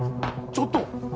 ちょっと！